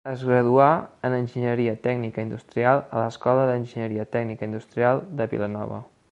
Es graduà en enginyeria tècnica industrial a l'Escola d’Enginyeria Tècnica Industrial de Vilanova.